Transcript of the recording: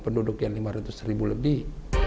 mungkin lima ratus ribu lebih